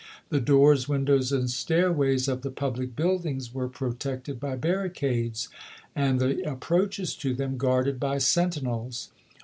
The doors, windows, and stairways of the public buildings were protected by barricades, and the approaches to them guarded by sentinels.